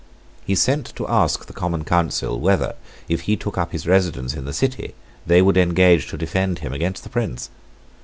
He sent to ask the Common Council whether, if he took up his residence in the City, they would engage to defend him against the Prince.